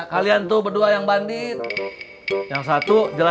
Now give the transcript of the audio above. kalian tuh berdua yang bandit